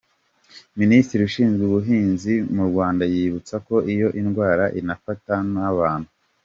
Ministeri ishinzwe ubuhinzi mu Rwanda yibutsa ko iyo ndwara inafata n'abantu.